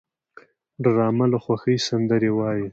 ډرامه له خوښۍ سندرې وايي